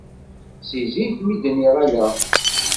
Si zik mi d-nniɣ ala.